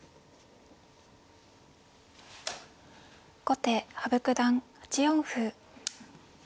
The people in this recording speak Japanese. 後手羽生九段８四歩。